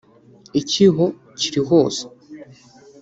Icyuho kiri hose